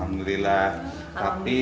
alhamdulillah ya pak